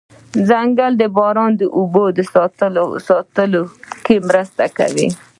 ځنګل د باران اوبو ساتلو کې مرسته کوي